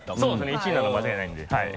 １位なの間違いないんではい。